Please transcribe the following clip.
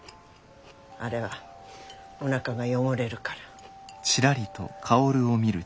あれはおなかが汚れるから。